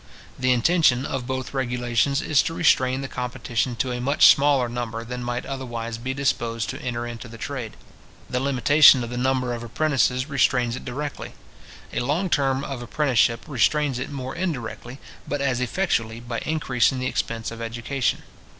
The intention of both regulations is to restrain the competition to a much smaller number than might otherwise be disposed to enter into the trade. The limitation of the number of apprentices restrains it directly. A long term of apprenticeship restrains it more indirectly, but as effectually, by increasing the expense of education.